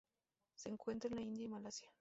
Se encuentra en la India y Malasia.